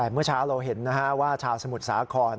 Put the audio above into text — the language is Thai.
เมื่อเช้าเราเห็นว่าชาวสมุทรสาคร